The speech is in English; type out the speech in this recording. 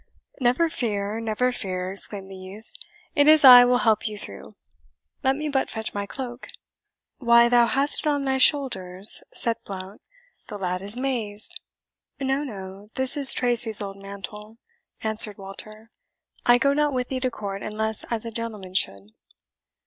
"Never fear, never fear," exclaimed the youth, "it is I will help you through; let me but fetch my cloak." "Why, thou hast it on thy shoulders," said Blount, "the lad is mazed." "No, No, this is Tracy's old mantle," answered Walter. "I go not with thee to court unless as a gentleman should."